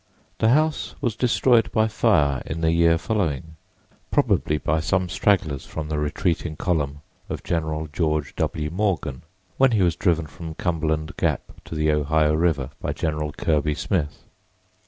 The house was destroyed by fire in the year following—probably by some stragglers from the retreating column of General George W. Morgan, when he was driven from Cumberland Gap to the Ohio river by General Kirby Smith.